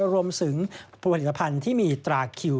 รวมถึงผลิตภัณฑ์ที่มีตราคิว